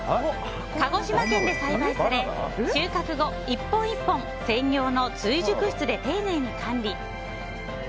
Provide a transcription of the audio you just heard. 鹿児島県で栽培され、収穫後１本１本、専用の追熟室で丁寧に管理。